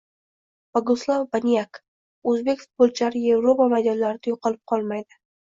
Boguslav Baniyak: O‘zbek futbolchilari Yevropa maydonlarida «yo‘qolib qolmaydi»